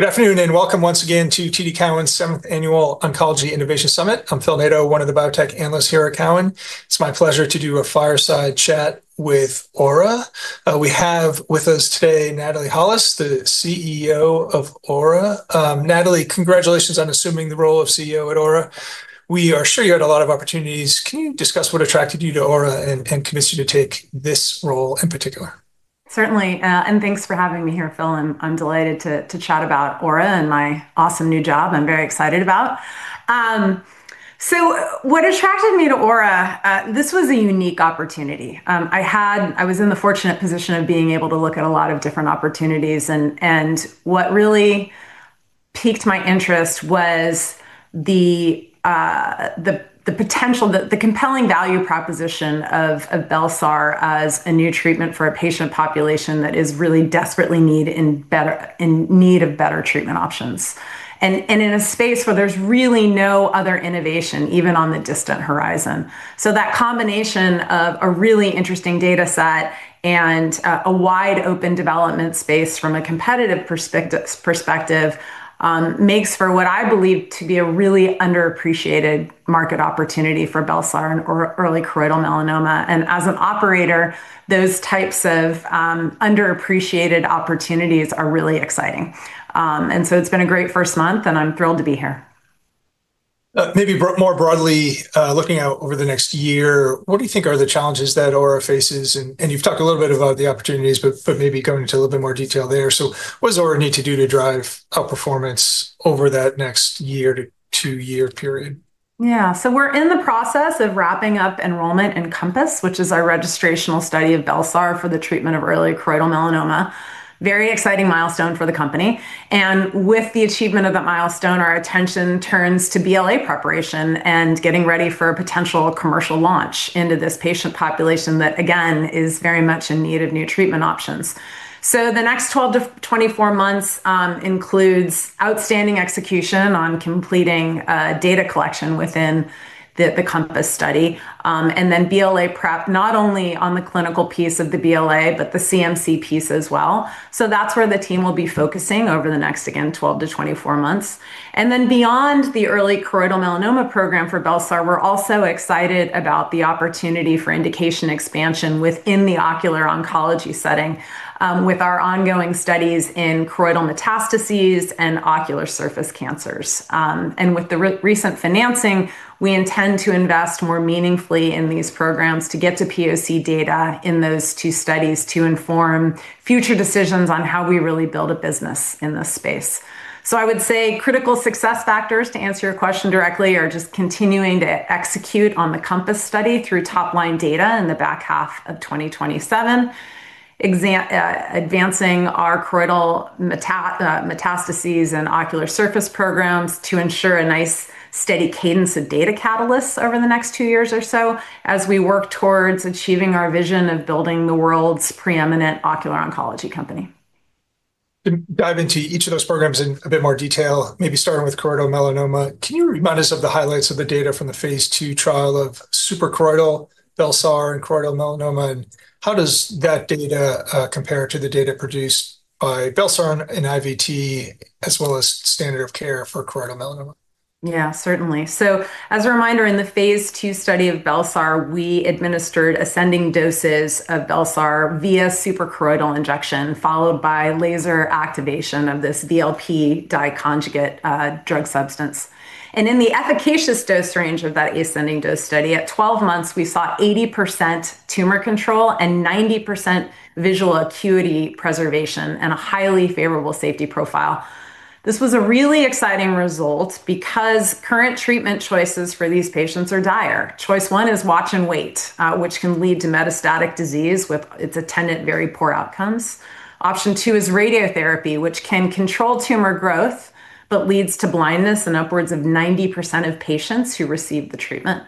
Good afternoon, and welcome once again to TD Cowen's seventh annual Oncology Innovation Summit. I'm Philip Nadeau, one of the biotech analysts here at Cowen. It's my pleasure to do a fireside chat with Aura. We have with us today Natalie Holles, the CEO of Aura. Natalie, congratulations on assuming the role of CEO at Aura. We are sure you had a lot of opportunities. Can you discuss what attracted you to Aura and convinced you to take this role in particular? Certainly. Thanks for having me here, Philip Nadeau. I'm delighted to chat about Aura and my awesome new job I'm very excited about. What attracted me to Aura, this was a unique opportunity. I was in the fortunate position of being able to look at a lot of different opportunities, what really piqued my interest was the potential, the compelling value proposition of bel-sar as a new treatment for a patient population that is really desperately in need of better treatment options, in a space where there's really no other innovation, even on the distant horizon. That combination of a really interesting data set and a wide-open development space from a competitive perspective makes for what I believe to be a really underappreciated market opportunity for bel-sar in early choroidal melanoma. As an operator, those types of underappreciated opportunities are really exciting. It's been a great first month, and I'm thrilled to be here. Maybe more broadly, looking out over the next year, what do you think are the challenges that Aura faces? You've talked a little bit about the opportunities, but maybe going into a little bit more detail there. What does Aura need to do to drive outperformance over that next year to two-year period? Yeah. We're in the process of wrapping up enrollment in CoMpass, which is our registrational study of bel-sar for the treatment of early choroidal melanoma. Very exciting milestone for the company. With the achievement of that milestone, our attention turns to BLA preparation and getting ready for a potential commercial launch into this patient population that, again, is very much in need of new treatment options. The next 12-24 months includes outstanding execution on completing data collection within the CoMpass study. BLA prep, not only on the clinical piece of the BLA, but the CMC piece as well. That's where the team will be focusing over the next, again, 12-24 months. Beyond the early choroidal melanoma program for bel-sar, we're also excited about the opportunity for indication expansion within the ocular oncology setting with our ongoing studies in choroidal metastases and ocular surface cancers. With the recent financing, we intend to invest more meaningfully in these programs to get to POC data in those two studies to inform future decisions on how we really build a business in this space. I would say critical success factors, to answer your question directly, are just continuing to execute on the CoMpass study through top-line data in the back half of 2027, advancing our choroidal metastases and ocular surface programs to ensure a nice, steady cadence of data catalysts over the next two years or so as we work towards achieving our vision of building the world's preeminent ocular oncology company. To dive into each of those programs in a bit more detail, maybe starting with choroidal melanoma, can you remind us of the highlights of the data from the phase II trial of suprachoroidal bel-sar in choroidal melanoma, and how does that data compare to the data produced by bel-sar in IVT, as well as standard of care for choroidal melanoma? Yeah, certainly. As a reminder, in the phase II study of bel-sar, we administered ascending doses of bel-sar via suprachoroidal injection, followed by laser activation of this VLP dye conjugate drug substance. In the efficacious dose range of that ascending dose study, at 12 months, we saw 80% tumor control and 90% visual acuity preservation and a highly favorable safety profile. This was a really exciting result because current treatment choices for these patients are dire. Choice one is watch and wait, which can lead to metastatic disease with its attendant very poor outcomes. Option two is radiotherapy, which can control tumor growth, but leads to blindness in upwards of 90% of patients who receive the treatment.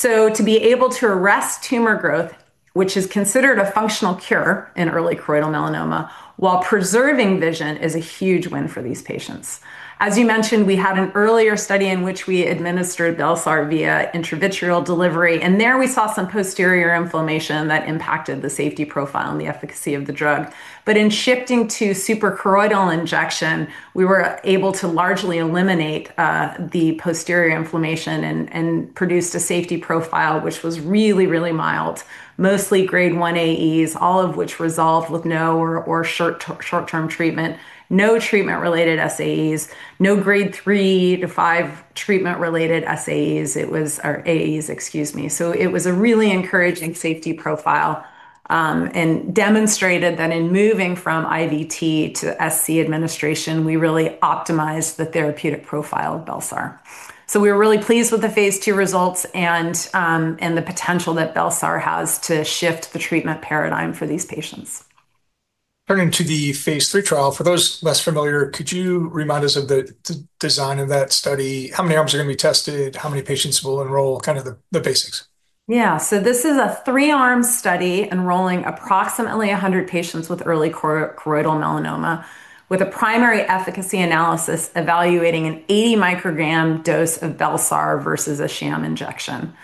To be able to arrest tumor growth, which is considered a functional cure in early choroidal melanoma, while preserving vision, is a huge win for these patients. As you mentioned, we had an earlier study in which we administered bel-sar via intravitreal delivery, and there we saw some posterior inflammation that impacted the safety profile and the efficacy of the drug. In shifting to suprachoroidal injection, we were able to largely eliminate the posterior inflammation and produced a safety profile, which was really, really mild, mostly grade 1 AEs, all of which resolve with no or short-term treatment. No treatment-related SAEs, no grade three to five treatment-related SAEs. It was a really encouraging safety profile, and demonstrated that in moving from IVT to SC administration, we really optimized the therapeutic profile of bel-sar. We're really pleased with the phase II results and the potential that bel-sar has to shift the treatment paradigm for these patients. Turning to the phase III trial, for those less familiar, could you remind us of the design of that study? How many arms are going to be tested, how many patients will enroll, kind of the basics? Yeah. This is a 3-arm study enrolling approximately 100 patients with early choroidal melanoma, with a primary efficacy analysis evaluating an 80-microgram dose of bel-sar versus a sham injection.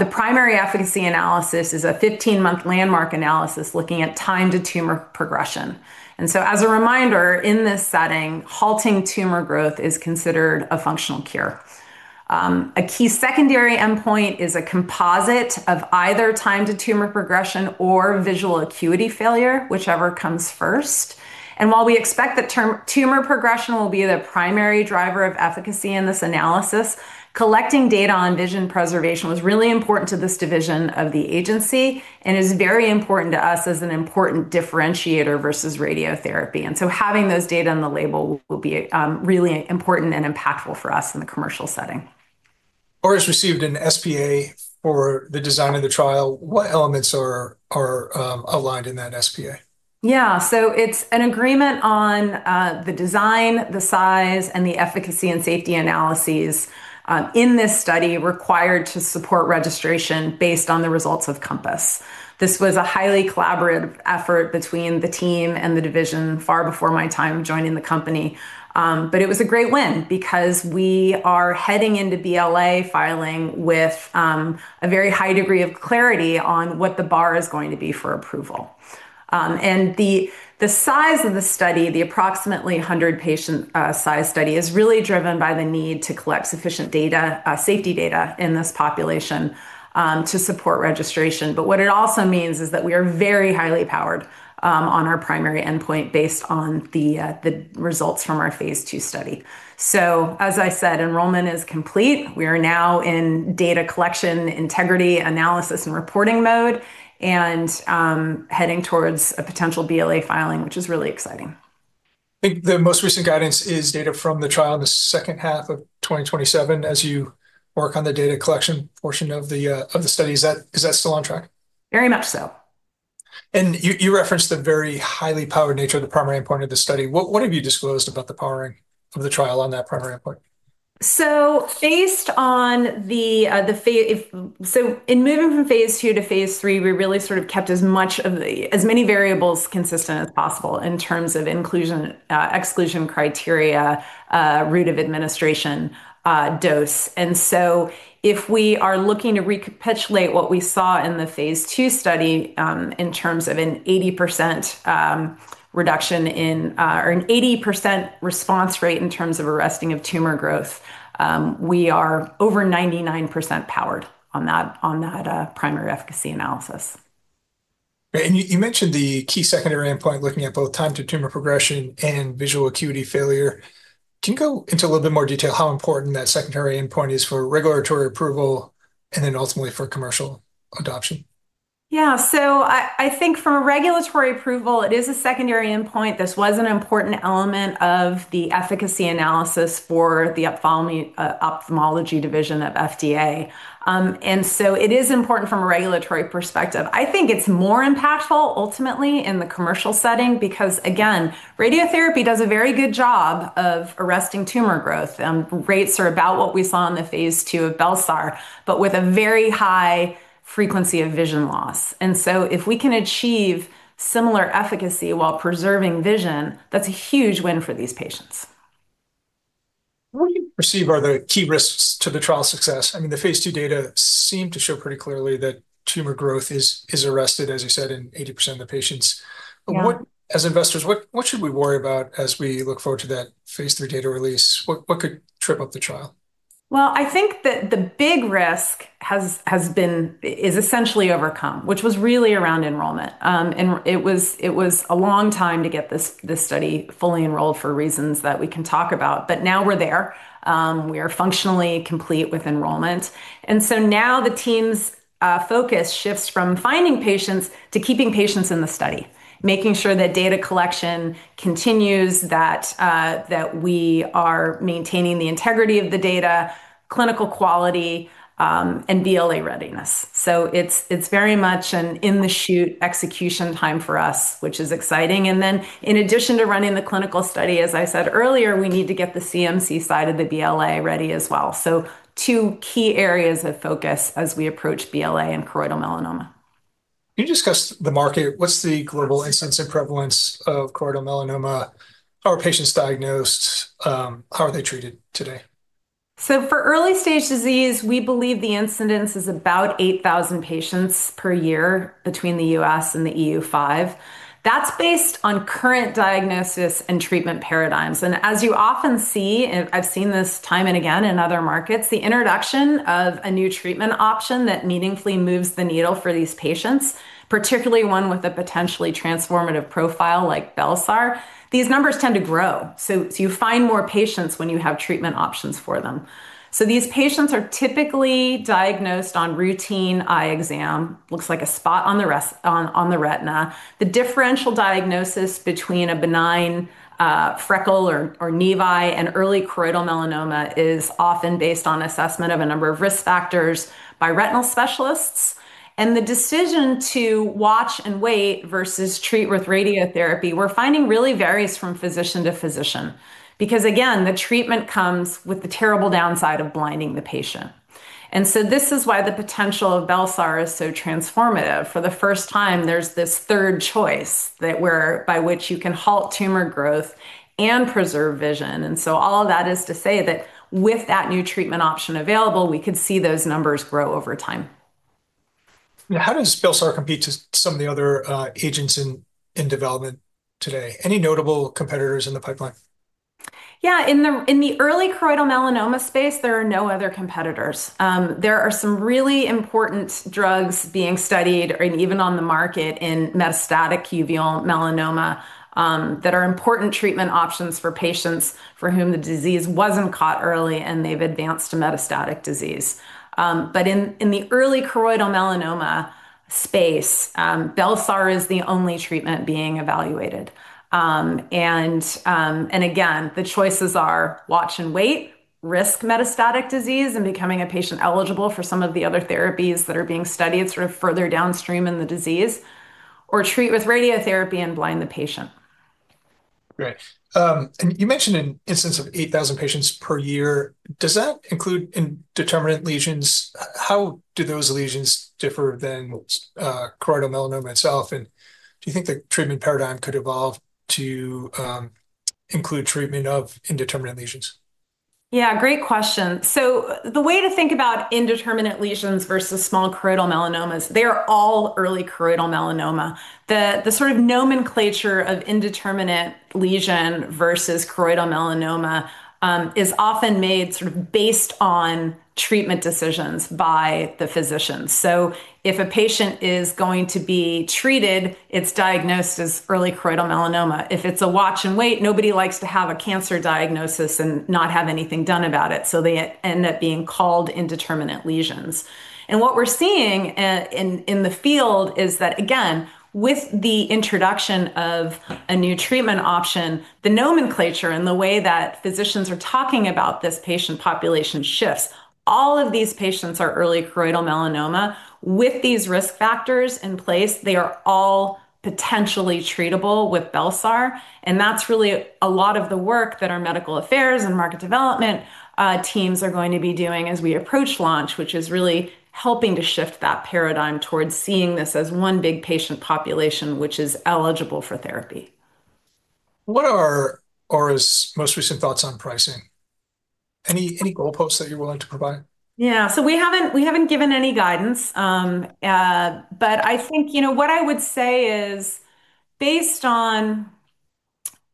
The primary efficacy analysis is a 15-month landmark analysis looking at time to tumor progression. As a reminder, in this setting, halting tumor growth is considered a functional cure. A key secondary endpoint is a composite of either time to tumor progression or visual acuity failure, whichever comes first. While we expect that tumor progression will be the primary driver of efficacy in this analysis, collecting data on vision preservation was really important to this division of the agency and is very important to us as an important differentiator versus radiotherapy. Having those data on the label will be really important and impactful for us in the commercial setting. Aura has received an SPA for the design of the trial. What elements are aligned in that SPA? Yeah. It's an agreement on the design, the size, and the efficacy and safety analyses in this study required to support registration based on the results of CoMpass. This was a highly collaborative effort between the team and the division far before my time joining the company. It was a great win because we are heading into BLA filing with a very high degree of clarity on what the bar is going to be for approval. The size of the study, the approximately 100-patient size study, is really driven by the need to collect sufficient data, safety data, in this population to support registration. What it also means is that we are very highly powered on our primary endpoint based on the results from our phase II study. As I said, enrollment is complete. We are now in data collection, integrity, analysis, and reporting mode, and heading towards a potential BLA filing, which is really exciting. I think the most recent guidance is data from the trial in the second half of 2027 as you work on the data collection portion of the study. Is that still on track? Very much so. You referenced the very highly powered nature of the primary endpoint of the study. What have you disclosed about the powering of the trial on that primary endpoint? In moving from phase II to phase III, we really sort of kept as many variables consistent as possible in terms of inclusion, exclusion criteria, route of administration, dose. If we are looking to recapitulate what we saw in the phase II study, in terms of an 80% response rate in terms of arresting of tumor growth, we are over 99% powered on that primary efficacy analysis. Right. You mentioned the key secondary endpoint, looking at both time to tumor progression and visual acuity failure. Can you go into a little bit more detail how important that secondary endpoint is for regulatory approval and then ultimately for commercial adoption? Yeah. I think from a regulatory approval, it is a secondary endpoint. This was an important element of the efficacy analysis for the ophthalmology division of FDA. It is important from a regulatory perspective. I think it's more impactful ultimately in the commercial setting because, again, radiotherapy does a very good job of arresting tumor growth. Rates are about what we saw in the phase II of bel-sar, but with a very high frequency of vision loss. If we can achieve similar efficacy while preserving vision, that's a huge win for these patients. What do you perceive are the key risks to the trial's success? The phase II data seem to show pretty clearly that tumor growth is arrested, as you said, in 80% of the patients. Yeah. As investors, what should we worry about as we look forward to that phase III data release? What could trip up the trial? Well, I think that the big risk is essentially overcome, which was really around enrollment. It was a long time to get this study fully enrolled for reasons that we can talk about, but now we're there. We are functionally complete with enrollment. Now the team's focus shifts from finding patients to keeping patients in the study, making sure that data collection continues, that we are maintaining the integrity of the data, clinical quality, and BLA readiness. It's very much in an in-the-chute execution time for us, which is exciting. In addition to running the clinical study, as I said earlier, we need to get the CMC side of the BLA ready as well. Two key areas of focus as we approach BLA and choroidal melanoma. Can you discuss the market? What's the global incidence and prevalence of choroidal melanoma? How are patients diagnosed? How are they treated today? For early-stage disease, we believe the incidence is about 8,000 patients per year between the U.S. and the EU 5. That's based on current diagnosis and treatment paradigms. As you often see, and I've seen this time and again in other markets, the introduction of a new treatment option that meaningfully moves the needle for these patients, particularly one with a potentially transformative profile like bel-sar, these numbers tend to grow. You find more patients when you have treatment options for them. These patients are typically diagnosed on routine eye exam, looks like a spot on the retina. The differential diagnosis between a benign freckle or nevus and early choroidal melanoma is often based on assessment of a number of risk factors by retinal specialists. The decision to watch and wait versus treat with radiotherapy, we're finding really varies from physician to physician. Again, the treatment comes with the terrible downside of blinding the patient. This is why the potential of bel-sar is so transformative. For the first time, there's this third choice by which you can halt tumor growth and preserve vision. All of that is to say that with that new treatment option available, we could see those numbers grow over time. How does bel-sar compete to some of the other agents in development today? Any notable competitors in the pipeline? Yeah. In the early choroidal melanoma space, there are no other competitors. There are some really important drugs being studied, and even on the market, in metastatic uveal melanoma that are important treatment options for patients for whom the disease wasn't caught early and they've advanced to metastatic disease. In the early choroidal melanoma space, bel-sar is the only treatment being evaluated. Again, the choices are watch and wait, risk metastatic disease, and becoming a patient eligible for some of the other therapies that are being studied sort of further downstream in the disease, or treat with radiotherapy and blind the patient. Right. You mentioned an instance of 8,000 patients per year. Does that include indeterminate lesions? How do those lesions differ than choroidal melanoma itself? Do you think the treatment paradigm could evolve to include treatment of indeterminate lesions? Yeah. Great question. The way to think about indeterminate lesions versus small choroidal melanomas, they are all early choroidal melanoma. The sort of nomenclature of indeterminate lesion versus choroidal melanoma is often made sort of based on treatment decisions by the physician. If a patient is going to be treated, it's diagnosed as early choroidal melanoma. If it's a watch and wait, nobody likes to have a cancer diagnosis and not have anything done about it, so they end up being called indeterminate lesions. What we're seeing in the field is that, again, with the introduction of a new treatment option, the nomenclature and the way that physicians are talking about this patient population shifts. All of these patients are early choroidal melanoma. With these risk factors in place, they are all potentially treatable with bel-sar, and that's really a lot of the work that our medical affairs and market development teams are going to be doing as we approach launch, which is really helping to shift that paradigm towards seeing this as one big patient population which is eligible for therapy. What are Aura's most recent thoughts on pricing? Any goalposts that you're willing to provide? We haven't given any guidance. I think what I would say is based on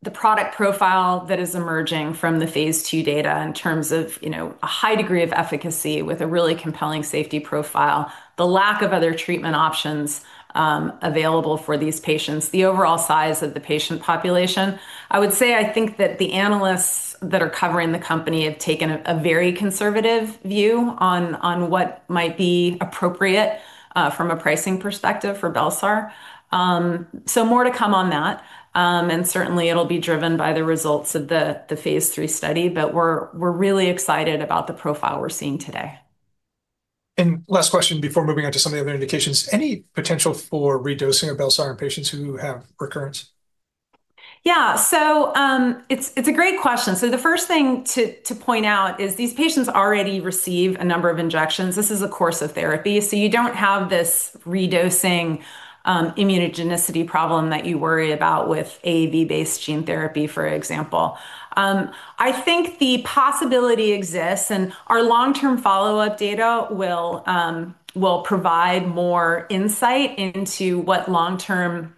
the product profile that is emerging from the phase II data in terms of a high degree of efficacy with a really compelling safety profile, the lack of other treatment options available for these patients, the overall size of the patient population, I would say I think that the analysts that are covering the company have taken a very conservative view on what might be appropriate from a pricing perspective for bel-sar. More to come on that, and certainly it'll be driven by the results of the phase III study. We're really excited about the profile we're seeing today. Last question before moving on to some of the other indications. Any potential for redosing of bel-sar in patients who have recurrence? Yeah. It's a great question. The first thing to point out is these patients already receive a number of injections. This is a course of therapy, you don't have this redosing immunogenicity problem that you worry about with AAV-based gene therapy, for example. I think the possibility exists, and our long-term follow-up data will provide more insight into what long-term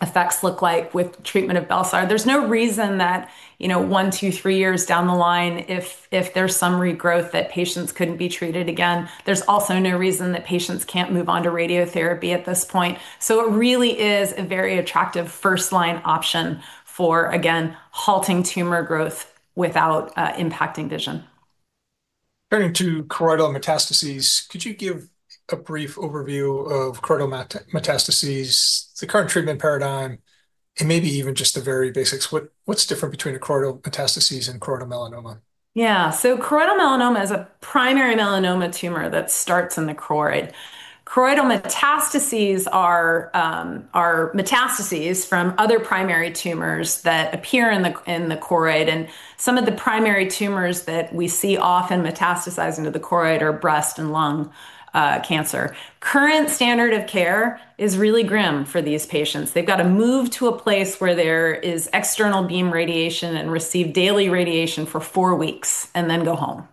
effects look like with treatment of bel-sar. There's no reason that one, two, three years down the line if there's some regrowth that patients couldn't be treated again. There's also no reason that patients can't move on to radiotherapy at this point. It really is a very attractive first-line option for, again, halting tumor growth without impacting vision. Turning to choroidal metastases, could you give a brief overview of choroidal metastases, the current treatment paradigm, and maybe even just the very basics? What's different between a choroidal metastases and choroidal melanoma? Yeah. Choroidal melanoma is a primary melanoma tumor that starts in the choroid. Choroidal metastases are metastases from other primary tumors that appear in the choroid, and some of the primary tumors that we see often metastasize into the choroid are breast and lung cancer. Current standard of care is really grim for these patients. They've got to move to a place where there is external beam radiation and receive daily radiation for four weeks, and then go home.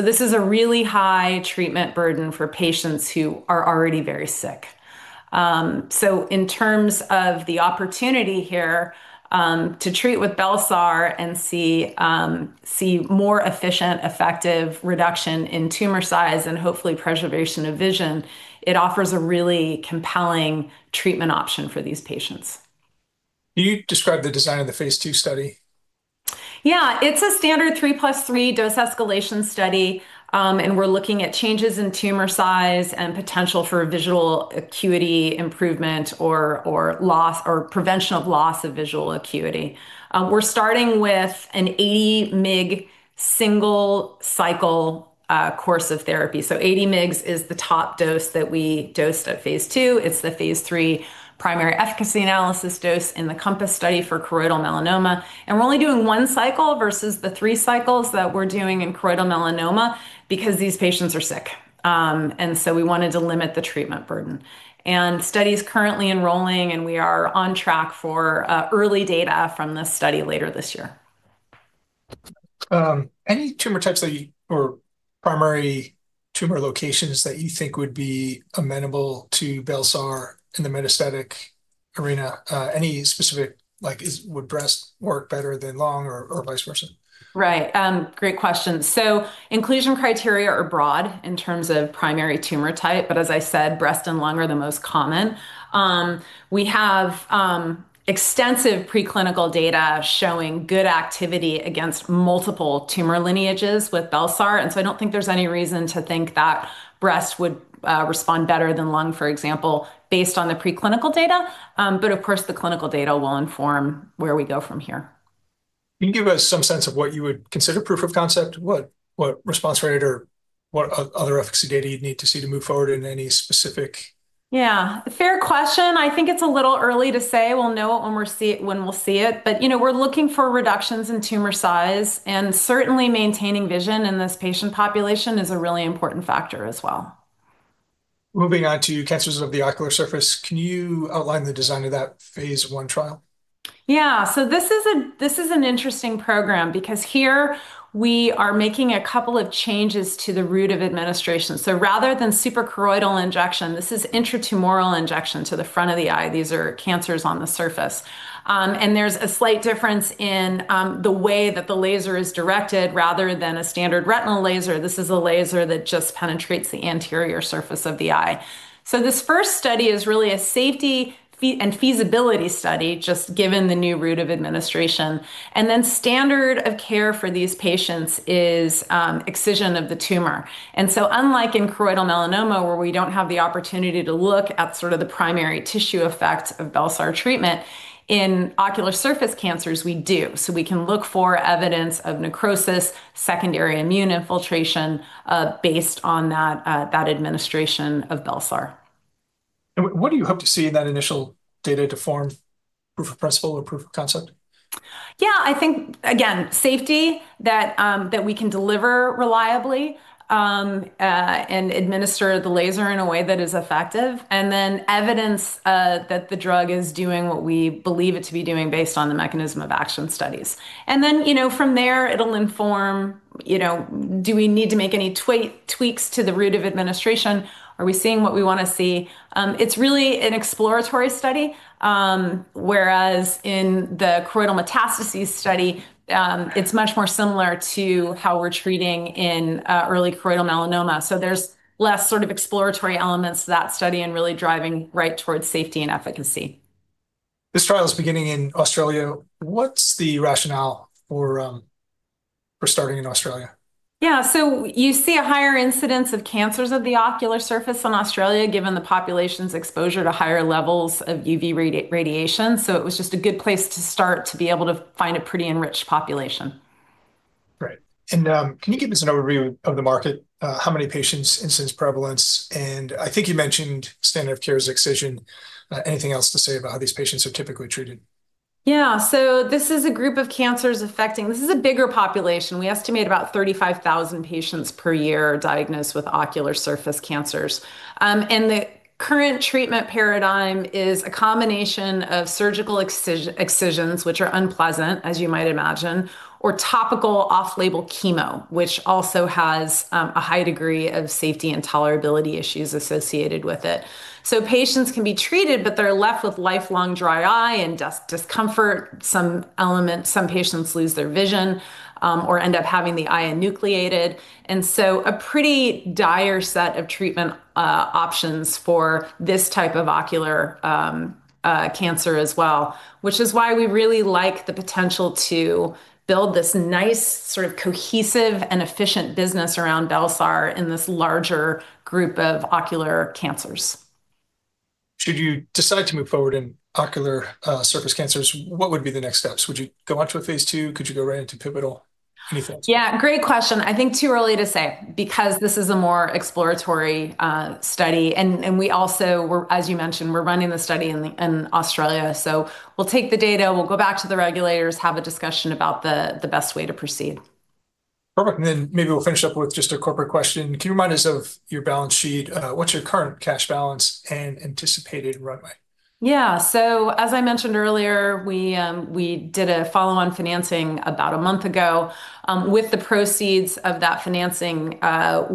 This is a really high treatment burden for patients who are already very sick. In terms of the opportunity here to treat with bel-sar and see more efficient, effective reduction in tumor size and hopefully preservation of vision, it offers a really compelling treatment option for these patients. Can you describe the design of the phase II study? Yeah. It's a standard 3+3 dose escalation study. We're looking at changes in tumor size and potential for visual acuity improvement or loss or prevention of loss of visual acuity. We're starting with an 80 mg single cycle course of therapy. 80 mg is the top dose that we dosed at phase II. It's the phase III primary efficacy analysis dose in the CoMpass study for choroidal melanoma. We're only doing one cycle versus the three cycles that we're doing in choroidal melanoma because these patients are sick. We wanted to limit the treatment burden. Study's currently enrolling, and we are on track for early data from this study later this year. Any tumor types or primary tumor locations that you think would be amenable to bel-sar in the metastatic arena? Any specific, like would breast work better than lung or vice versa? Right. Great question. Inclusion criteria are broad in terms of primary tumor type, but as I said, breast and lung are the most common. We have extensive preclinical data showing good activity against multiple tumor lineages with bel-sar, and so I don't think there's any reason to think that breast would respond better than lung, for example, based on the preclinical data. Of course, the clinical data will inform where we go from here. Can you give us some sense of what you would consider proof of concept? What response rate or what other efficacy data you'd need to see to move forward in any specific- Fair question. I think it's a little early to say. We'll know it when we'll see it, but we're looking for reductions in tumor size, and certainly maintaining vision in this patient population is a really important factor as well. Moving on to cancers of the ocular surface, can you outline the design of that phase I trial? Yeah. This is an interesting program because here we are making a couple of changes to the route of administration. Rather than suprachoroidal injection, this is intratumoral injection to the front of the eye. These are cancers on the surface. There's a slight difference in the way that the laser is directed. Rather than a standard retinal laser, this is a laser that just penetrates the anterior surface of the eye. This first study is really a safety and feasibility study, just given the new route of administration. Standard of care for these patients is excision of the tumor. Unlike in choroidal melanoma where we don't have the opportunity to look at sort of the primary tissue effects of bel-sar treatment, in ocular surface cancers, we do. we can look for evidence of necrosis, secondary immune infiltration, based on that administration of bel-sar. What do you hope to see in that initial data to form proof of principle or proof of concept? Yeah, I think, again, safety, that we can deliver reliably, and administer the laser in a way that is effective, and then evidence that the drug is doing what we believe it to be doing based on the mechanism of action studies. From there it'll inform do we need to make any tweaks to the route of administration? Are we seeing what we want to see? It's really an exploratory study, whereas in the choroidal metastases study, it's much more similar to how we're treating in early choroidal melanoma. There's less sort of exploratory elements to that study and really driving right towards safety and efficacy. This trial is beginning in Australia. What's the rationale for starting in Australia? Yeah. You see a higher incidence of cancers of the ocular surface in Australia, given the population's exposure to higher levels of UV radiation. It was just a good place to start to be able to find a pretty enriched population. Right. Can you give us an overview of the market, how many patients, incidence, prevalence, and I think you mentioned standard of care is excision. Anything else to say about how these patients are typically treated? Yeah. This is a group of cancers affecting, this is a bigger population. We estimate about 35,000 patients per year are diagnosed with ocular surface cancers. The current treatment paradigm is a combination of surgical excisions, which are unpleasant, as you might imagine, or topical off-label chemo, which also has a high degree of safety and tolerability issues associated with it. Patients can be treated, but they're left with lifelong dry eye and discomfort, some patients lose their vision or end up having the eye enucleated. A pretty dire set of treatment options for this type of ocular cancer as well, which is why we really like the potential to build this nice sort of cohesive and efficient business around bel-sar in this larger group of ocular cancers. Should you decide to move forward in ocular surface cancers, what would be the next steps? Would you go on to a phase II? Could you go right into pivotal? Any thoughts? Yeah. Great question. I think too early to say because this is a more exploratory study, and we also, as you mentioned, we're running the study in Australia. We'll take the data, we'll go back to the regulators, have a discussion about the best way to proceed. Perfect. Then maybe we'll finish up with just a corporate question. Can you remind us of your balance sheet? What's your current cash balance and anticipated runway? Yeah. As I mentioned earlier, we did a follow-on financing about a month ago. With the proceeds of that financing, our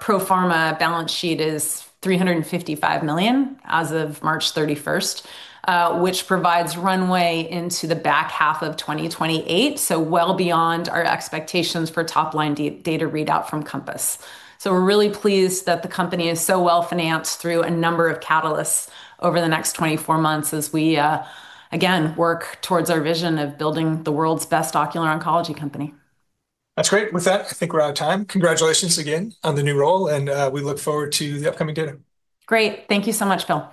pro forma balance sheet is $355 million as of March 31st, which provides runway into the back half of 2028, well beyond our expectations for top-line data readout from CoMpass. We're really pleased that the company is so well-financed through a number of catalysts over the next 24 months as we, again, work towards our vision of building the world's best ocular oncology company. That's great. With that, I think we're out of time. Congratulations again on the new role. We look forward to the upcoming data. Great. Thank you so much, Philip Nadeau.